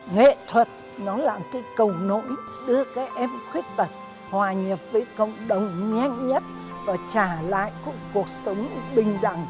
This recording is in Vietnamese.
nghệ thuật nó là cái cầu nỗi đưa các em khuyết tật hòa nhập với cộng đồng nhanh nhất và trả lại